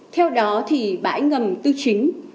theo đó thì bãi ngầm tư chính